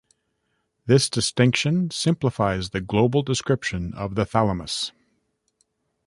This distinction simplifies the global description of the thalamus.